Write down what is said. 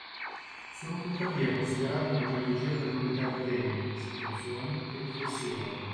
Sono tuttavia considerati una trilogia per l'unità di temi, situazioni e riflessioni.